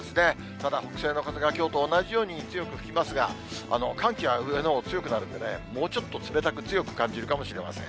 ただ、北西の風がきょうと同じように強く吹きますが、寒気は上のほう、強くなるんでね、もうちょっと冷たく強く感じるかもしれません。